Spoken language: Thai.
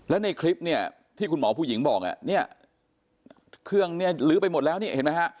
แล้วในคลิปเนี่ยที่คุณหมอผู้หญิงบอกอ่ะเนี่ยเครื่องนี้ลื้อไปหมดแล้วนี่เห็นไหมฮะ